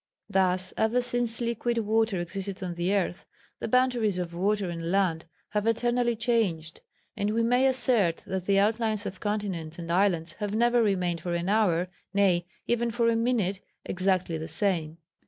"Thus, ever since liquid water existed on the earth, the boundaries of water and land have eternally changed, and we may assert that the outlines of continents and islands have never remained for an hour, nay, even for a minute, exactly the same.